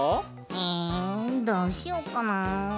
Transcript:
えどうしよっかな。